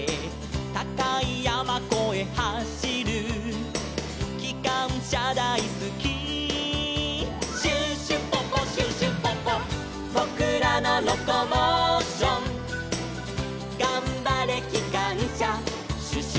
「たかいやまこえはしる」「きかんしゃだいすき」「シュシュポポシュシュポポ」「ぼくらのロコモーション」「がんばれきかんしゃシュシュポポ」